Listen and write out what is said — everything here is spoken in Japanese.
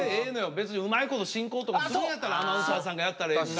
別にうまいこと進行とかするんやったらアナウンサーさんがやったらええし。